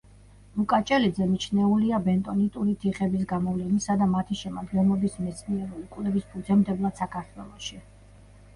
ლუკა ჭელიძე მიჩნეულია ბენტონიტური თიხების გამოვლენისა და მათი შემადგენლობის მეცნიერული კვლევის ფუძემდებლად საქართველოში.